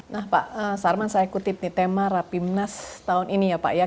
nah pak sarman saya kutip nih tema rapimnas tahun ini ya pak ya